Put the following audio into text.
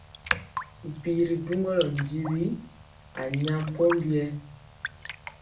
Mpi ri duŋgɔlɔ njiwi a nya pombiyɛ.